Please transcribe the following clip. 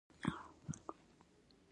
د خوست په مندوزیو کې د سمنټو مواد شته.